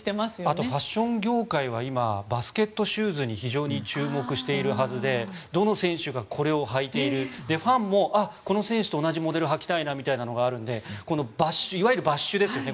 あとファッション業界は今バスケットシューズに非常に注目しているはずでどの選手がこれを履いているファンも、この選手と同じモデルを履きたいなみたいなのがあるんでいわゆるバッシュですよね。